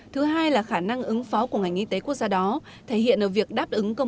thứ hai là khả năng ứng phó của ngành y tế quốc gia đó